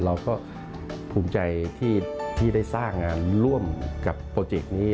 เราก็ภูมิใจที่ได้สร้างงานร่วมกับโปรเจกต์นี้